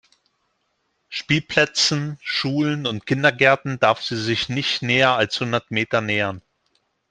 Spielplätzen, Schulen und Kindergärten darf sie sich nicht näher als hundert Meter nähern.